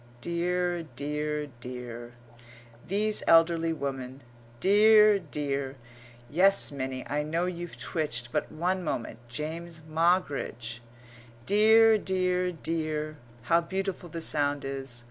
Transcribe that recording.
Dear, dear, dear! these elderly women. Dear, dear!" [Yes, Minnie; I know you've twitched, but one moment James Moggridge]. "Dear, dear, dear!" How beautiful the sound is!